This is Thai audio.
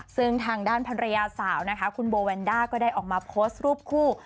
ซึ่งทางด้านภรรยาสาวนะคะคุณโบแวนด้าก็ได้ออกมาโพสต์รูปคู่